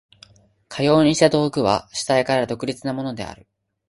かようにして道具は主体から独立なものである。